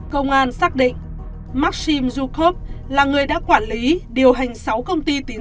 công an xác định maxim zhukov là người đã quản lý điều hành sáu công ty tín dụng